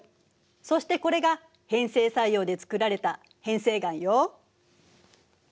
そしてこれが変成作用でつくられた変成岩よ。